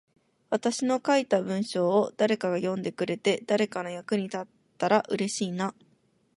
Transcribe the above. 私の書いた文章を誰かが読んでくれて、誰かの役に立ったら嬉しいな。